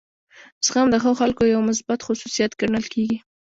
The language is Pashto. زغم د ښو خلکو یو مثبت خصوصیت ګڼل کیږي.